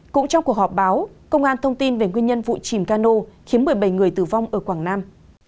cũng trong cuộc họp báo công an thông tin về nguyên nhân vụ chìm cano khiến một mươi bảy người tử vong ở quảng nam